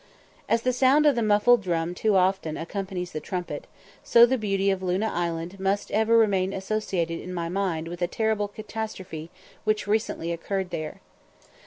As the sound of the muffled drum too often accompanies the trumpet, so the beauty of Luna Island must ever remain associated in my mind with a terrible catastrophe which recently occurred there.